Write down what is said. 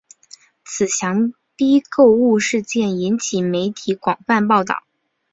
此强逼购物事件引起媒体广泛报道。